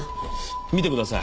見てください。